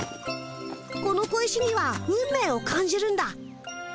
この小石には運命を感じるんだ。